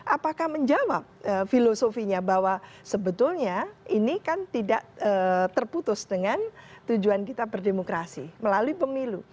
apakah menjawab filosofinya bahwa sebetulnya ini kan tidak terputus dengan tujuan kita berdemokrasi melalui pemilu